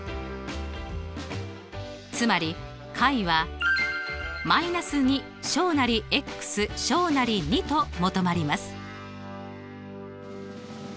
つまり解は−２２と求まります。